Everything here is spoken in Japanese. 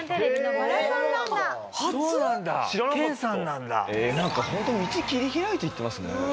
なんか本当道切り開いていってますね。